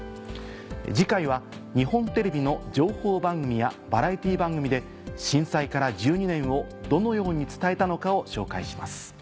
次回は日本テレビの情報番組やバラエティー番組で震災から１２年をどのように伝えたのかを紹介します。